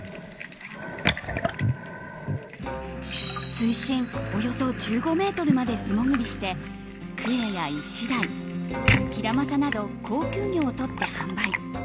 水深およそ１５ｍまで素潜りしてクエやイシダイ、ヒラマサなど高級魚をとって販売。